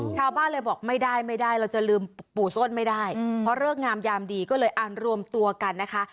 ชาวบ้านเลยบอกไม่ได้ไม่ได้เราจะลืมปู่ส้นไม่ได้เพราะเลิกงามยามดีก็เลยอ่านรวมตัวกันนะคะ